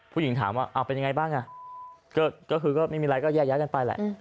ผู้หญิงถามว่าเป็นไงบ้างก็ไม่มีไรก็แยะกันไปแหละ